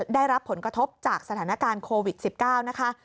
ได้รับผลกระทบจากสถานการณ์โควิด๑๙นะคะ